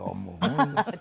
ハハハハ！